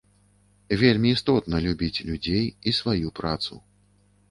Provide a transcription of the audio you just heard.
Вельмі істотна любіць людзей і сваю працу.